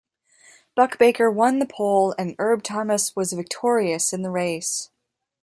Buck Baker won the pole and Herb Thomas was victorious in the race.